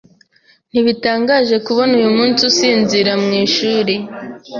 Ntibitangaje kubona uyumunsi usinzira mu ishuri.